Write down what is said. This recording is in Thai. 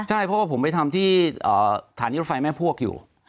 ใช่เพราะว่าผมไปทำที่ฐานีรถไฟแม่พวกอยู่